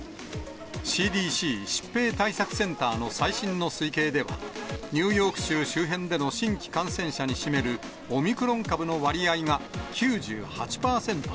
ＣＤＣ・疾病対策センターの最新の推計では、ニューヨーク州周辺での新規感染者に占めるオミクロン株の割合が９８％に。